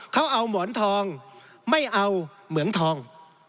เขาเอาหมอนทองไม่เอาเหมืองทอง